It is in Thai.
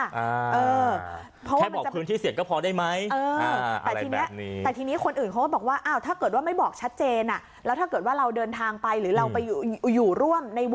ซึ่งบางทีเราไม่ทราบน้องว่าเราไป